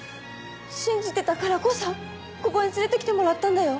信じてたからこそここに連れて来てもらったんだよ。